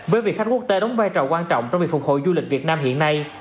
với vị khách quốc tế đóng vai trò quan trọng trong việc phục hồi du lịch việt nam hiện nay